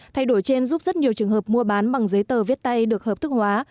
thay đổi trên giúp rất nhiều trường hợp mua bán bằng giấy tờ viết tay được hợp thức hóa